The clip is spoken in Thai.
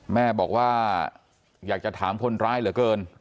แม่บอกว่าอยากจะถามคนร้ายเหลือเกิน